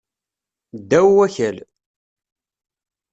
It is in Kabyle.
Ddaw wakal.